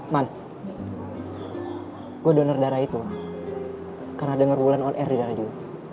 man gue donor darah itu karena denger on air di radio